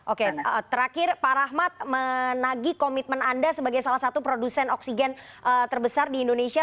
oke terakhir pak rahmat menagi komitmen anda sebagai salah satu produsen oksigen terbesar di indonesia